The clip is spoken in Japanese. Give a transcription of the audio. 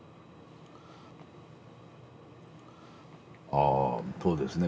あそうですね